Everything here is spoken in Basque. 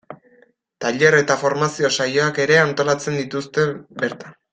Tailer eta formazio saioak ere antolatzen dituzte bertan.